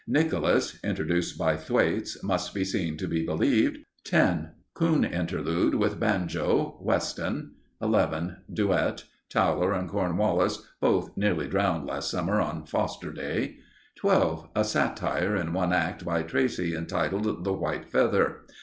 Nicholas (introduced by Thwaites. Must be seen to be believed). 10. Coon Interlude with Banjo. Weston. 11. Duet. Towler and Cornwallis (both nearly drowned last summer on Foster Day). 12. A Satire in One Act by Tracey, entitled "The White Feather."